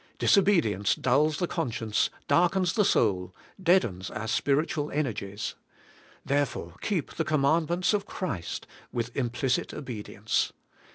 Disobedience dulls the conscience, darkens the soul, deadens our spiritual energies, — therefore keep the commandments of Christ with implicit obedience.